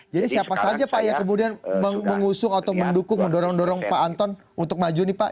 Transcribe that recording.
jadi siapa saja pak yang kemudian mengusung atau mendukung mendorong dorong pak anton untuk maju nih pak